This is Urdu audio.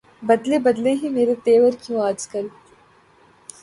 بدلے بدلے ہیں میرے تیور کیوں آج کل